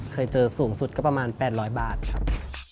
เคยเจอสูงสุดก็ประมาณ๘๐๐บาทครับ